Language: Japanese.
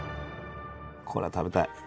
これは食べたい。